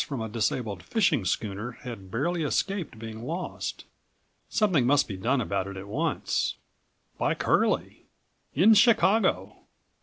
from a disabled fishing schooner had barely escaped being lost.47 Something must be done about it at once! By Curlie! In Chicago!